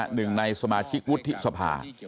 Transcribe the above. หนึ่งในสมาชิกวุฒิสภา